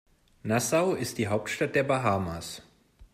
Nassau ist die Hauptstadt der Bahamas.